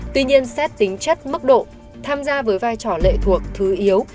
tuy nhiên xét tính chất mức độ tham gia với vai trò lệ thuộc thứ yếu